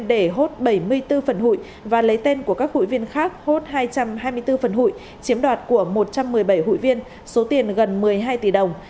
để hốt bảy mươi bốn phần hụi và lấy tên của các hụi viên khác hốt hai trăm hai mươi bốn phần hụi chiếm đoạt của một trăm một mươi bảy hụi viên số tiền gần một mươi hai tỷ đồng